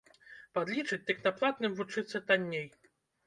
Падлічыць, дык на платным вучыцца танней.